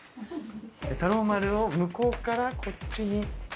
太郎丸を向こうからこっちに。